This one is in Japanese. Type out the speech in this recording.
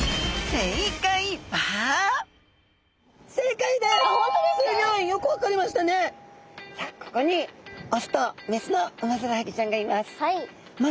さあここに雄と雌のウマヅラハギちゃんがいます。